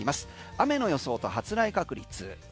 雨の予想と発雷確率。